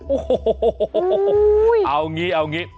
โอ้โหเอางี้เอางี้